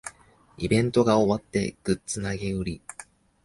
イベントが終わってグッズ投げ売り